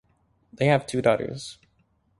They have two daughters.